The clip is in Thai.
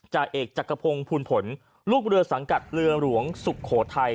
จ่าเอกจักรพงศ์ภูลผลลูกเรือสังกัดเรือหลวงสุโขทัย